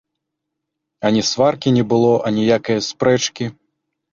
Ані сваркі не было, аніякае спрэчкі.